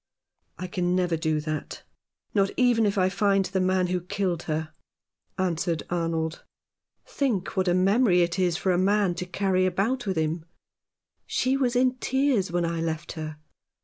"I can never do that, not even if I find the man who killed her," answered Arnold. " Think what a memory it is for a man to carry about with him. She was in tears when I left her.